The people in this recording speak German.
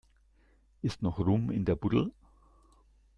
Ist noch Rum in der Buddel?